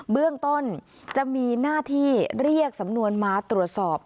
เบื้องต้นจะมีหน้าที่เรียกสำนวนมาตรวจสอบ